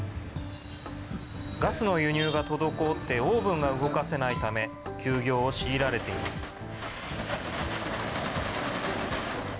ガスの輸入が滞って、オーブンが動かせないため、休業を強いられています。